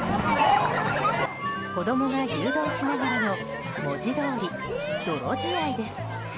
子供が誘導しながらの文字どおり、泥仕合です。